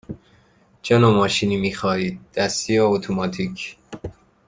چه نوع ماشینی می خواهید – دستی یا اتوماتیک؟